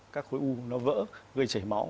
các khối u nó vỡ gây chảy máu